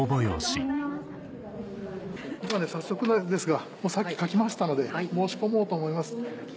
早速ですがさっき書きましたので申し込もうと思います。